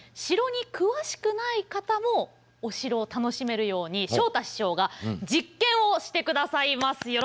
城に詳しくない方もお城を楽しめるように昇太師匠が実験をして下さいます。